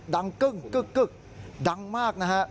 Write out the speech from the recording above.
ดังกึ้งกึ๊กกึ๊กดังมากนะฮะ